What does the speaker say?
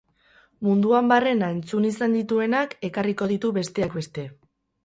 Munduan barrena entzun izan dituenak ekarriko ditu besteak beste.